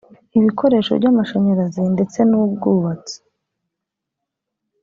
ibikoresho by’amashyarazi ndetse n’ubwubatsi